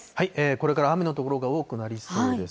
これから雨の所が多くなりそうです。